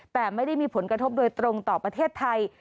แต่ไม่ได้มีผลกระทบโดยตรงต่อประเทศไทย